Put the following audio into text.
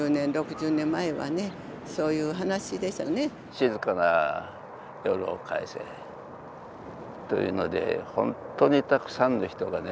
静かな夜を返せというので本当にたくさんの人がね